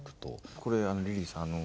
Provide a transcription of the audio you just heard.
これリリーさん